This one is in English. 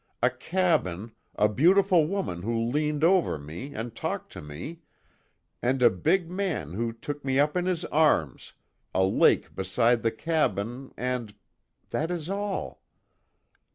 A cabin, a beautiful woman who leaned over me, and talked to me, and a big man who took me up in his arms, a lake beside the cabin, and that is all.